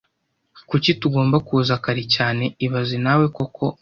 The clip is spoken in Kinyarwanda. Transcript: Kuki tugomba kuza kare cyane ibaze nawe koko